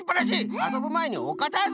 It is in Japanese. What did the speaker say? あそぶまえにおかたづけをね。